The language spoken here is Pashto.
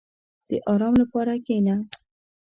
• د آرام لپاره کښېنه.